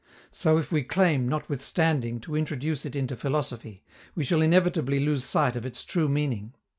So if we claim, notwithstanding, to introduce it into philosophy, we shall inevitably lose sight of its true meaning.